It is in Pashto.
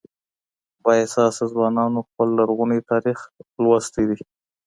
بااحساسه ځوانانو خپل لرغونی تاريخ لوستی دی.